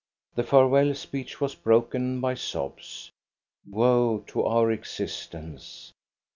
The farewell speech was broken by sobs. Woe to our existence!